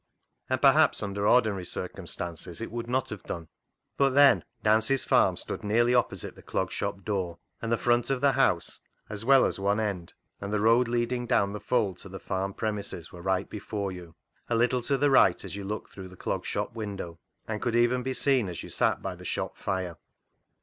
And perhaps 'under ordinary circumstances it would not have done. But, then, Nancy's 64 CLOG SHOP CHRONICLES farm stood nearly opposite the Clog Shop door, and the front of the house, as well as one end, and the road leading down the Fold to the farm premises were right before you, a little to the right as you looked through the Clog Shop window, and could evan be easily seen as you sat by the shop fire.